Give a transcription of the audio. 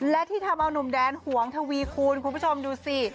และที่ทำเอานุ่มแดนหวงทวีคูณคุณผู้ชมดูสิ